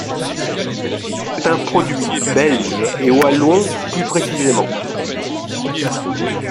C’est un produit belge et wallon plus précisément.